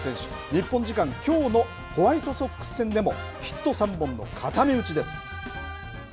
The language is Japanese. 日本時間きょうのホワイトソックス戦でもヒット３本の固め打ちです。